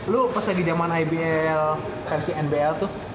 lu pas lagi zaman ibl versi nbl tuh